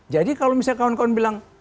jadi kalau misalnya kawan kawan bilang